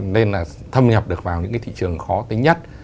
nên là thâm nhập được vào những cái thị trường khó tính nhất